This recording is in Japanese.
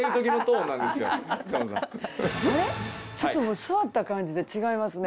ちょっと座った感じで違いますね。